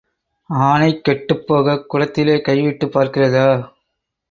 ஆனை கெட்டுப் போகக் குடத்தில கைவிட்டுப் பார்க்கிறதா?